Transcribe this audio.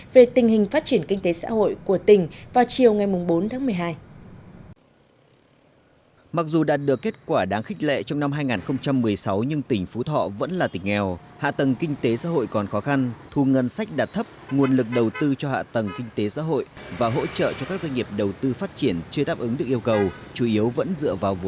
về tình hình phát triển kinh tế xã hội của tỉnh vào chiều ngày bốn tháng một mươi hai